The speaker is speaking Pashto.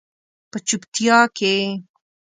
په چوپتیا کې